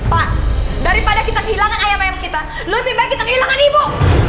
pak daripada kita kehilangan ayam ayam kita lebih baik kita kehilangan ibu